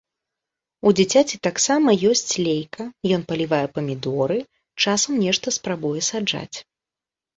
У дзіцяці таксама ёсць лейка, ён палівае памідоры, часам нешта спрабуе саджаць.